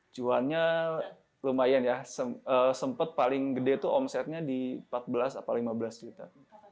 cuannya lumayan ya sempat paling gede tuh omsetnya di empat belas atau lima belas juta